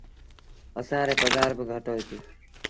اسآݩ ريٚ پگھآر با گھٽ هوئيتيٚ۔